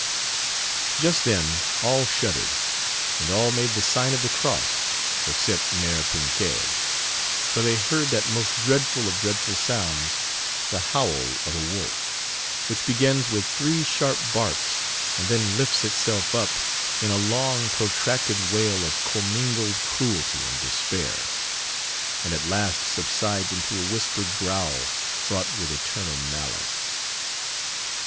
Just then all shuddered, and all made the sign of the cross except Mère Pinquèle, for they heard that most dreadful of dreadful sounds the howl of a wolf, which begins with three sharp barks and then lifts itself up in a long protracted wail of commingled cruelty and despair, and at last subsides into a whispered growl fraught with eternal malice.